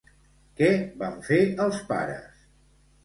Què van fer els pares?